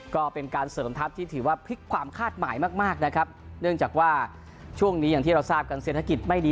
ก็เป็นการเสริมทัพที่ถือว่าพลิกความคาดหมายมากมากนะครับเนื่องจากว่าช่วงนี้อย่างที่เราทราบกันเศรษฐกิจไม่ดี